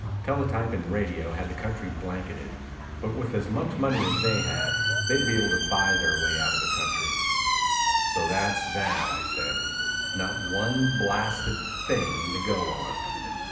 Teletype and radio had the country blanketed, but with as much money as they had they would be able to buy their way out of the country. "So that's that," I said, "not one blasted thing to go on."